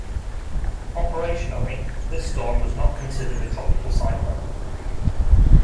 Operationally, this storm was not considered a tropical cyclone.